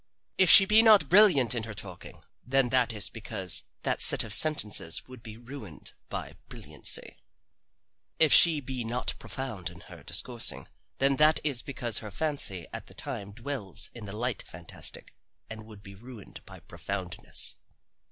If she be not brilliant in her talking, then that is because that set of sentences would be ruined by brilliancy. If she be not profound in her discoursing, then that is because her fancy at the time dwells in the light fantastic and would be ruined by profoundness.